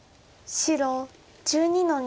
白１２の二。